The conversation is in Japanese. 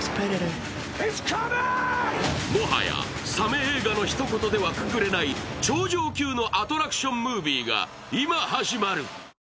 もはやサメ映画の一言ではくくれない頂上級のアトラクションムービーが今、始まる。